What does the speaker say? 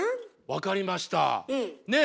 分かりました。ね！